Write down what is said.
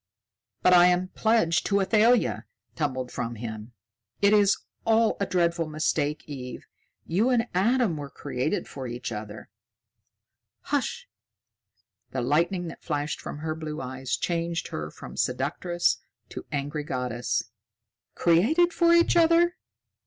"But I am pledged to Athalia!" tumbled from him. "It is all a dreadful mistake, Eve. You and Adam were created for each other." "Hush!" The lightning that flashed from her blue eyes changed her from seductress to angry goddess. "Created for each other!